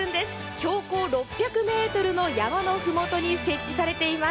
標高６００ｍの山のふもとに設置されています。